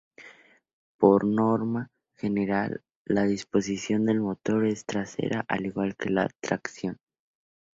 Por norma general, la disposición del motor es trasera al igual que la tracción.